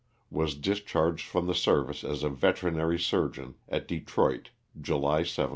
"Was discharged from the service as a veterinary surgeon, at Dotroit, July 7, 1865.